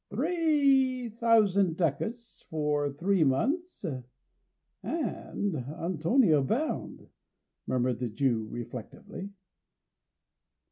"Three thousand ducats for three months and Antonio bound," murmured the Jew reflectively.